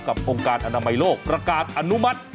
องค์การอนามัยโลกประกาศอนุมัติ